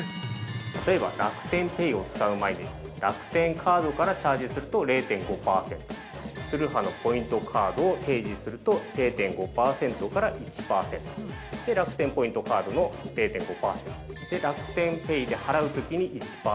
例えば、楽天ペイを使う前に楽天カードからチャージすると０．５％ツルハのポイントカードを提示すると０．５％から１％楽天ポイントカードの０．５％楽天ペイで払うときに１％